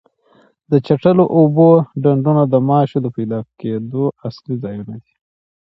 د چټلو اوبو ډنډونه د ماشو د پیدا کېدو اصلي ځایونه دي.